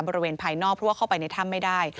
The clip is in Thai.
ภายนอกเพราะว่าเข้าไปในถ้ำไม่ได้